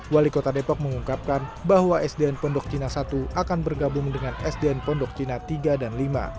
wali kota depok mengungkapkan bahwa sdn pondok cina satu akan bergabung dengan sdn pondok cina tiga dan lima